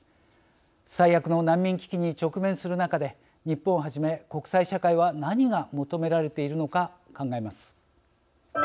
最悪の難民危機に直面する中で日本をはじめ国際社会は何が求められているのか考えます。